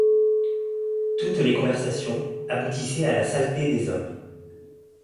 Toutes les conversations aboutissaient à la saleté des hommes.